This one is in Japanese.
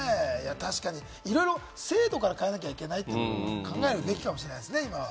確かにいろいろ制度から変えなきゃいけないということから考えるべきかもしれませんね。